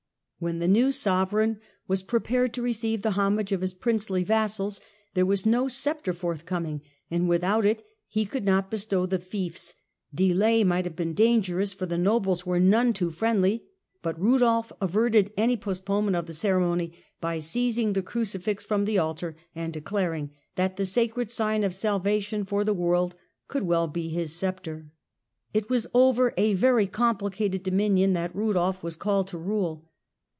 When the new sovereign was prepared to receive the homage of his princely vassals, there was no sceptre forth coming, and without it he could not bestow the fiefs : delay might have been dangerous, for the nobles were none too friendly ; but Rudolf averted any postpone ment of the ceremony by seizing the Crucifix from the altar, and declaring that the sacred sign of salvation for the world could well be his sceptre. It was over a very complicated dominion that Rudolf was called to rule.